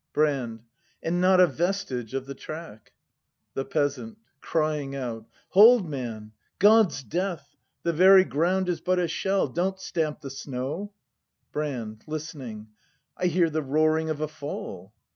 Brand., And not a vestige of the track. The Peasant. [Crying out.] Hold, man! God's death—! The very ground Is but a shell! Don't stamp the snow ! Brand. [Listeni7ig .] I hear the roaring of a fall.